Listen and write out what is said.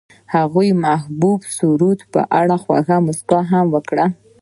هغې د محبوب سرود په اړه خوږه موسکا هم وکړه.